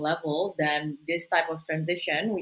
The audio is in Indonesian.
maka dengan transisi ini